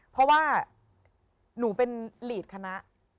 เพราะว่าหนูเป็นหลีดคณะ